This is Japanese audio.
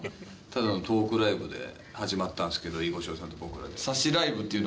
ただのトークライブで始まったんですけど囲碁将棋さんと僕らで。